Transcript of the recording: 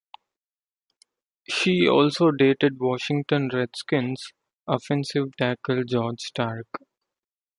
She also dated Washington Redskins offensive tackle George Starke.